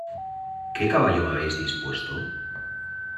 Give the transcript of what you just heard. ¿ qué caballo me habéis dispuesto?